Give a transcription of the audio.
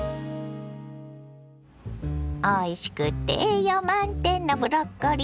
おいしくて栄養満点のブロッコリー！